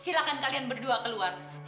silahkan kalian berdua keluar